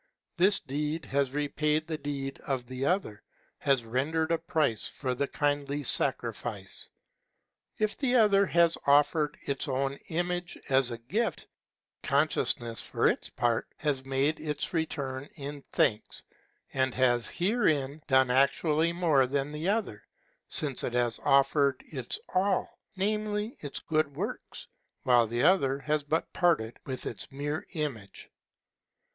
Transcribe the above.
This deed has repaid the deed of the Other, has rendered a price for the kindly sacrifice. If the Other has offered its own image as a gift, consciousness, for its part, has made its return in thanks, and has herein done actually more than the Other, since it has offered its All, namely, its good works, while the Other has but parted with its mere image.